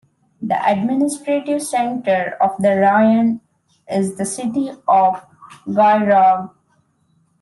The administrative center of the rayon is the city of Goygol.